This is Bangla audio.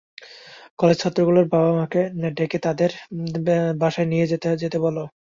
কলেজ ছাত্রগুলোর বাবা-মাকে ডেকে তাদের বাসায় নিয়ে যেতে বলো।